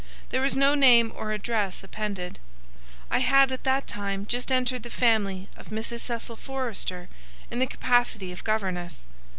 There was no name or address appended. I had at that time just entered the family of Mrs. Cecil Forrester in the capacity of governess.